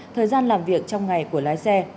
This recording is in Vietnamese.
thời gian làm việc trong ngày của lái xe